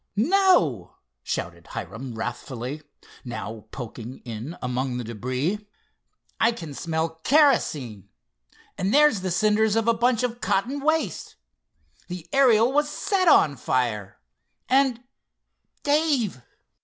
"No!" shouted Hiram wrathfully, now poking in among the debris. "I can smell kerosene. And there's the cinders of a bunch of cotton waste. The Ariel was set on fire! And—Dave!"